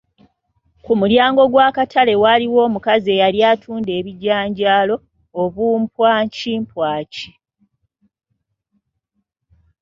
Ku mulyango gw'akatale waaliwo omukazi eyali atuunda abijanjaalo, obumpwankimpwaki.